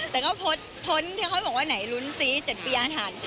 แต่ก็ทนให้เขาบอกว่าไหนรุ้นซี้๗ปีอ่ะทัน